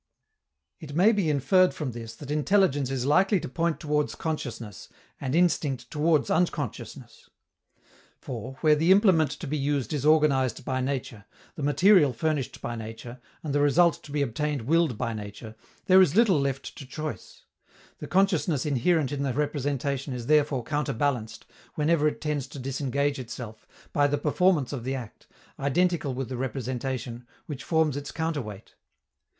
_ It may be inferred from this that intelligence is likely to point towards consciousness, and instinct towards unconsciousness. For, where the implement to be used is organized by nature, the material furnished by nature, and the result to be obtained willed by nature, there is little left to choice; the consciousness inherent in the representation is therefore counterbalanced, whenever it tends to disengage itself, by the performance of the act, identical with the representation, which forms its counterweight.